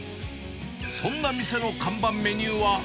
そんな店の看板メニューは。